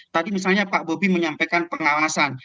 tadi misalnya pak bobi menyampaikan pengawasan